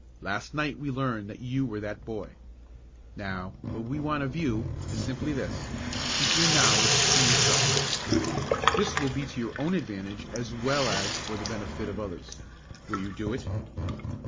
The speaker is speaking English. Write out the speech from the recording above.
Last night we learned that you were that boy. Now, what we want of you is simply this: to keep your knowledge to yourself. This will be to your own advantage as well as for the benefit of others. Will you do it?"